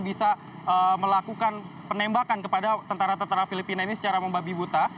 bisa melakukan penembakan kepada tentara tentara filipina ini secara membabi buta